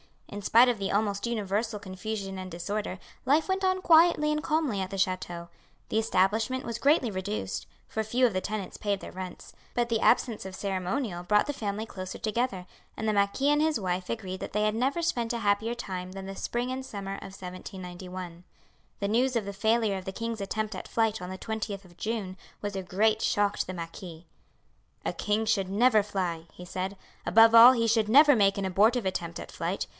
In spite of the almost universal confusion and disorder, life went on quietly and calmly at the chateau. The establishment was greatly reduced, for few of the tenants paid their rents; but the absence of ceremonial brought the family closer together, and the marquis and his wife agreed that they had never spent a happier time than the spring and summer of 1791. The news of the failure of the king's attempt at flight on the 20th of June was a great shock to the marquis. "A king should never fly," he said; "above all, he should never make an abortive attempt at flight.